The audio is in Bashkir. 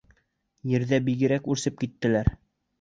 Ерҙә бигерәк үрсеп киттеләр.